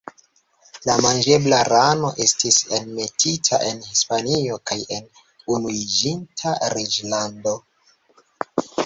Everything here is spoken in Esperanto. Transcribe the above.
La manĝebla rano estis enmetita en Hispanio kaj en Unuiĝinta Reĝlando.